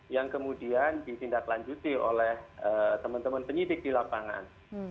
yang kemudian ditindaklanjuti oleh teman teman penyidik di lapangan